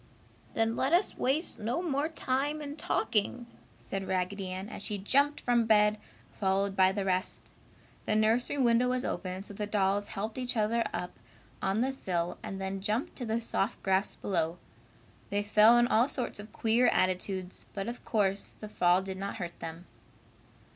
"Then let us waste no more time in talking!" said Raggedy Ann, as she jumped from bed, followed by the rest. The nursery window was open, so the dolls helped each other up on the sill and then jumped to the soft grass below. They fell in all sorts of queer attitudes, but of course the fall did not hurt them.